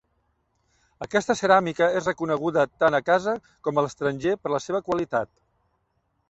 Aquesta ceràmica és reconeguda tant a casa com a l'estranger per la seva qualitat.